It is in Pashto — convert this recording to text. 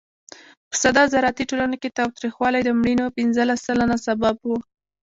په ساده زراعتي ټولنو کې تاوتریخوالی د مړینو پینځلس سلنه سبب و.